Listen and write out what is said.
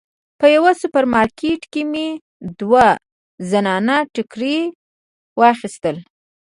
په یوه سوپر مارکیټ کې مې دوه زنانه ټیکري واخیستل.